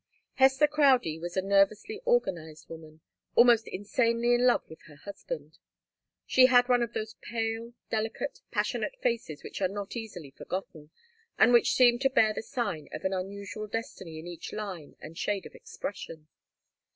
Hester Crowdie was a nervously organized woman, almost insanely in love with her husband. She had one of those pale, delicate, passionate faces which are not easily forgotten, and which seem to bear the sign of an unusual destiny in each line and shade of expression.